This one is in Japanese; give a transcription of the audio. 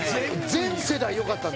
全世代良かった。